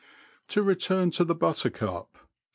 To return to the Buttercup.